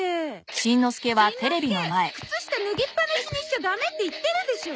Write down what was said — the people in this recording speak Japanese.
しんのすけ靴下脱ぎっぱなしにしちゃダメって言ってるでしょ？